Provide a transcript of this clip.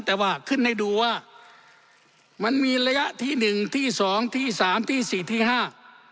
แต่ว่าขึ้นให้ดูว่ามันมีระยะที่หนึ่งที่สองที่สามที่สี่ที่ห้า